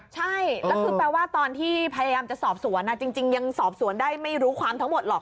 ใช่แล้วคือแปลว่าตอนที่พยายามจะสอบสวนจริงยังสอบสวนได้ไม่รู้ความทั้งหมดหรอก